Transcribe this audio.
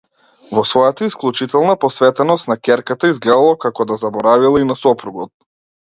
Во својата исклучителна посветеност на ќерката изгледало како да заборавила и на сопругот.